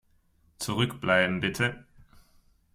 Zurückbleiben, bitte!